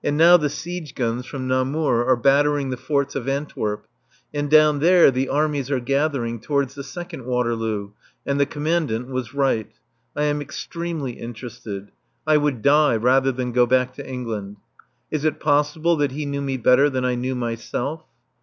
And now the siege guns from Namur are battering the forts of Antwerp, and down there the armies are gathering towards the second Waterloo, and the Commandant was right. I am extremely interested. I would die rather than go back to England. Is it possible that he knew me better than I knew myself?